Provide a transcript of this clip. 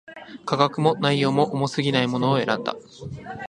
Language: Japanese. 価格も、内容も、重過ぎないものを選んだ